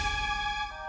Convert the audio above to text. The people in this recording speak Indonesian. lu udah kira kira apa itu